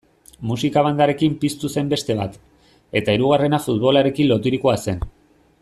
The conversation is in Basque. Musika-bandarekin piztu zen beste bat, eta hirugarrena futbolarekin loturikoa zen.